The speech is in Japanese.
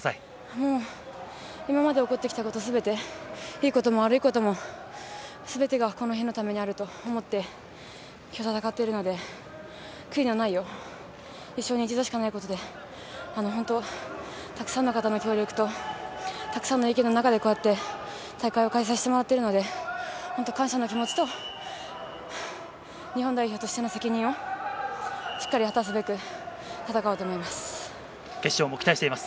もう今まで起こってきたことすべて、いいことも悪いことも、すべてがこの日のためにあると思って、きょう、戦っているので、悔いのないよう一生に一度しかないことで、本当、たくさんの方の協力と、たくさんの意見の中でこうやって大会を開催してもらってるので、本当、感謝の気持ちと、日本代表としての責任をしっかり果たすべく戦おうと思います。